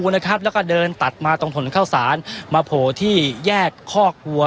นะครับแล้วก็เดินตัดมาตรงถนนเข้าศาลมาโผล่ที่แยกข้อครัว